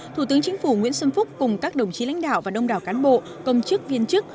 thủ tướng chính phủ nguyễn xuân phúc cùng các đồng chí lãnh đạo và đông đảo cán bộ công chức viên chức